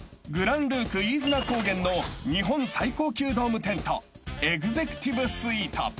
［ＧＬＡＭＰＲＯＯＫ飯綱高原の日本最高級ドームテントエグゼクティブ・スイート］